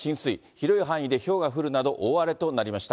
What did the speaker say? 広い範囲でひょうが降るなど、大荒れとなりました。